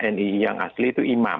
nii yang asli itu imam